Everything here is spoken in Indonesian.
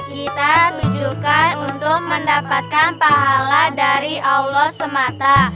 kita tujukan untuk mendapatkan pahala dari allah semata